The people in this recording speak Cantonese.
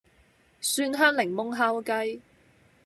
蒜香檸檬烤雞